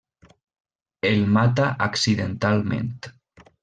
El mata accidentalment.